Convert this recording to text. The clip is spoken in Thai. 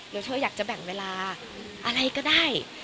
เธออยากจะแบ่งเวลาอะไรก็ได้